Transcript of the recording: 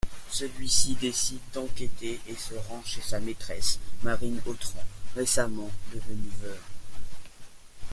Celui-ci décide d’enquêter et se rend chez sa maîtresse, Marie Autran, récemment devenue veuve.